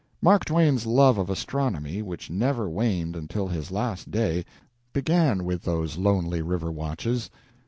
Mark Twain's love of astronomy, which never waned until his last day, began with those lonely river watches.